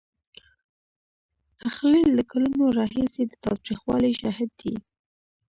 الخلیل د کلونو راهیسې د تاوتریخوالي شاهد دی.